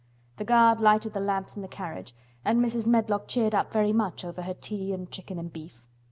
The guard lighted the lamps in the carriage, and Mrs. Medlock cheered up very much over her tea and chicken and beef.